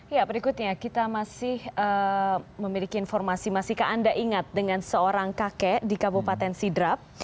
ya berikutnya kita masih memiliki informasi masihkah anda ingat dengan seorang kakek di kabupaten sidrap